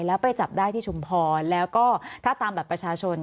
แล้วไปจับได้ที่ชุมพรแล้วก็ถ้าตามบัตรประชาชน